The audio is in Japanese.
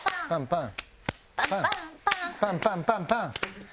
パンパンパンパン。